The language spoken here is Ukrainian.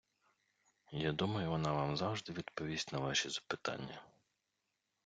Я думаю, вона вам завжди відповість на ваші запитання!